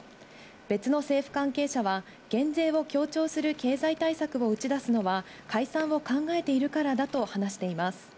別の政府関係者は、減税を強調する経済対策を打ち出すのは、解散を考えているからだと話しています。